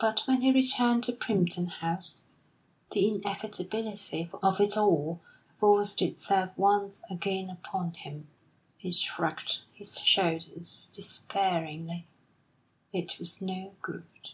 But when he returned to Primpton House, the inevitability of it all forced itself once again upon him. He shrugged his shoulders despairingly; it was no good.